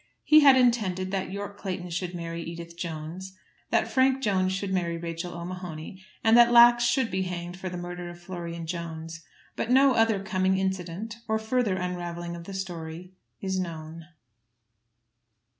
He had intended that Yorke Clayton should marry Edith Jones, that Frank Jones should marry Rachel O'Mahony, and that Lax should be hanged for the murder of Florian Jones; but no other coming incident, or further unravelling of the story, is known.